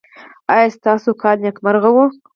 ایا ستاسو کال نیکمرغه و؟